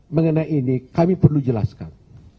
mengenai ini kami perlu jelaskan